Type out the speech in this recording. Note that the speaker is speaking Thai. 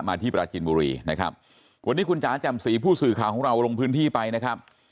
ที่ปราจินบุรีนะครับวันนี้คุณจ๋าแจ่มสีผู้สื่อข่าวของเราลงพื้นที่ไปนะครับ